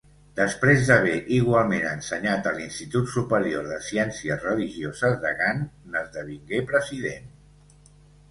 Després d'haver igualment ensenyat a l'Institut superior de ciències religioses de Gant, n'esdevingué president.